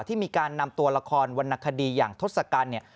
ที่มีการนำตัวละครวรรณคดีอย่างทศกัณฐ์เนี่ย